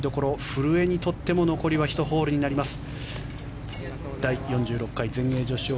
古江にとっても残りは１ホールになります。